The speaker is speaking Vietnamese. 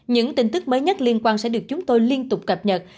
những tin tức mới nhất liên quan sẽ được chúng tôi liên tục cập nhật